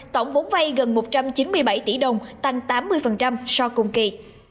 tổng vốn vay gần một trăm chín mươi bảy tỷ đồng tăng tám mươi so cùng kỳ